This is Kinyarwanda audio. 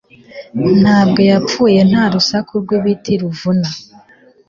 Ntabwo yapfuye nta rusaku rwibiti bivuna